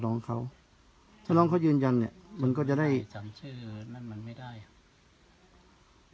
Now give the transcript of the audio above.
น้องเขาถ้าน้องเขายืนยันอย่างเงี้ยแด่จ๋างชื่อนั่นมันไม่ได้